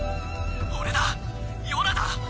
俺だヨナだ。